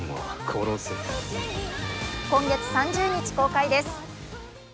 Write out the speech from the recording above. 今月３０日公開です。